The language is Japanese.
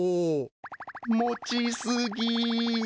持ちすぎ。